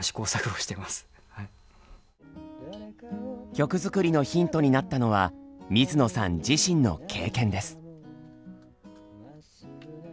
曲作りのヒントになったのは水野さん自身の経験です。